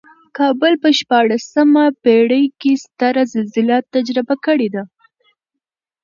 کابل په شپاړسمه پېړۍ کې ستره زلزله تجربه کړې ده.